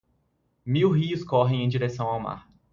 Mil rios correm em direção ao mar